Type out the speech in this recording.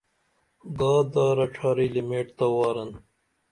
گا دارہ ڇارہ لِمیٹ تہ وارن